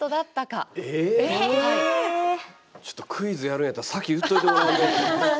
ちょっとクイズやるんやったら先言っといてくれないと。